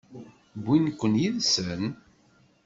Wwin-ken yid-sen?